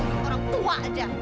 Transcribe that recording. duit orang tua aja